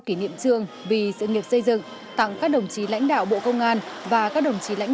kỷ niệm trường vì sự nghiệp xây dựng tặng các đồng chí lãnh đạo bộ công an và các đồng chí lãnh